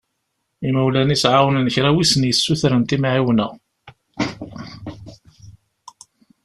Imawlan-is εawnen kra w'i sen-yessutren timεiwna.